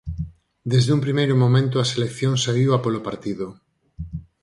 Desde un primeiro momento a selección saíu a polo partido.